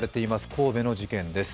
神戸の事件です。